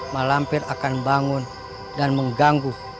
malam pir akan bangun dan mengganggu